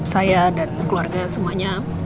saya dan keluarga semuanya